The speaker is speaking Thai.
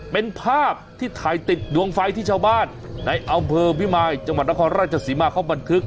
เป็นภาพที่ถ่ายติดดวงไฟที่ชาวบ้านในอำเภอพิมายจังหวัดนครราชสีมาเขาบันทึก